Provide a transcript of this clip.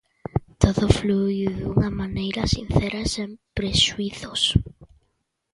Todo fluíu dunha maneira sincera e sen prexuízos.